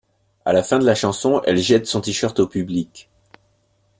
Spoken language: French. À la fin de la chanson, elle jette son T-shirt au public.